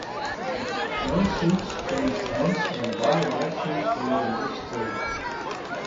No seats changed hands in byelections during this term.